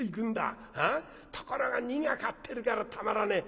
ところが荷が勝ってるからたまらねえ。